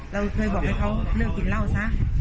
เราเคยบอกให้เขาเลิกกินเหล้าซะ